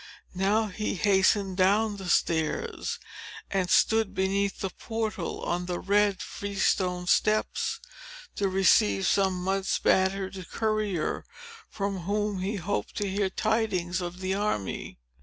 Now, he hastened down the stairs, and stood beneath the portal, on the red freestone steps, to receive some mud bespattered courtier, from whom he hoped to hear tidings of the army.